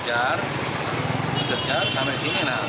kejar kejar sampai sini